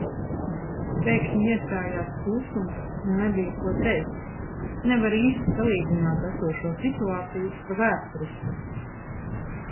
Pēkšņi iestājās klusums un nebija, ko teikt. Nevar īsti salīdzināt esošo situāciju ar vēsturisko.